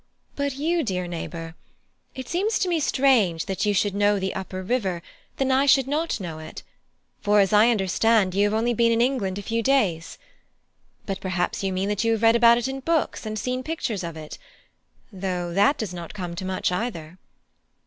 But you, dear neighbour; it seems to me stranger that you should know the upper river, than that I should not know it; for, as I understand, you have only been in England a few days. But perhaps you mean that you have read about it in books, and seen pictures of it? though that does not come to much, either."